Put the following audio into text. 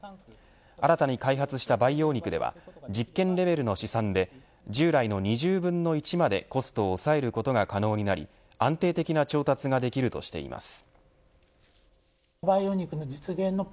新たに開発した培養肉では実験レベルの試算で従来の２０分の１までコストを抑えることが可能になり安定的な調達ができるとしています。